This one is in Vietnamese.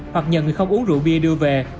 hoặc nhờ người không uống rượu bia đưa về